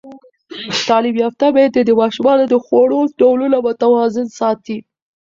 تعلیم یافته میندې د ماشومانو د خوړو ډولونه متوازن ساتي.